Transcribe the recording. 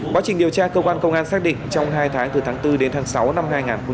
quá trình điều tra cơ quan công an xác định trong hai tháng từ tháng bốn đến tháng sáu năm hai nghìn hai mươi